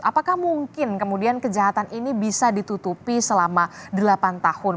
apakah mungkin kemudian kejahatan ini bisa ditutupi selama delapan tahun